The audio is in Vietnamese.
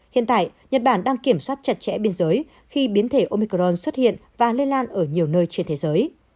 hiện tại nhật bản đang kiểm soát chặt chẽ biên giới khi biến thể omicron xuất hiện và lây lan ở nhiều nơi trên thế giới